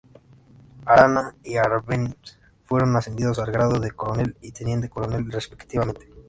Arana y Árbenz fueron ascendidos al grado de coronel y teniente coronel, respectivamente.